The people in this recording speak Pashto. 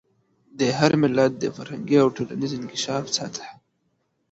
د هر ملت د فرهنګي او ټولنیز انکشاف سطح.